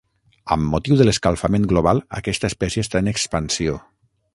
Amb motiu de l'escalfament global, aquesta espècie està en expansió.